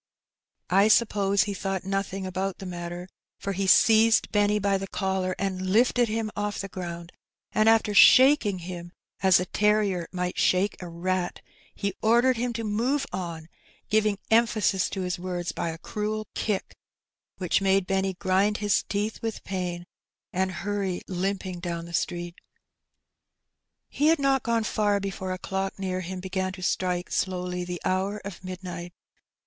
I suppose he thought nothing about the matter^ for he seized Benny by the collar and lifted him off the ground^ and after shaking him as a terrier might shake a rat, he ordered him to move on, giving emphasis to his words by a cruel kick, which made Benny grind his teeth with pain^ and hurry limping down the street. He had not gone far before a clock near him began to strike slowly the hour of midnight.